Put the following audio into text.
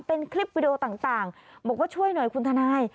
เป็นคลิปวิดีโอต่างบอกว่าช่วยหน่อยคุณทนาย